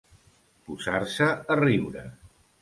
Posar-se a riure.